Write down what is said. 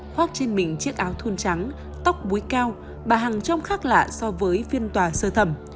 khoác trên mình chiếc áo thun trắng tóc búi keo bà hằng trông khác lạ so với phiên tòa sơ thẩm